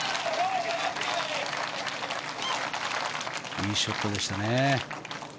いいショットでしたね。